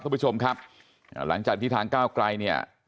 คุณผู้ชมครับหลังจากที่ทางก้าวไกลเนี่ย